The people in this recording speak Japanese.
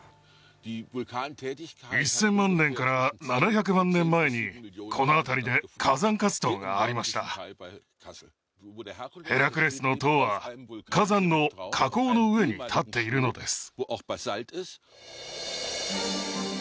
１０００万年から７００万年前にこの辺りで火山活動がありましたヘラクレスの塔は火山の火口の上に立っているのです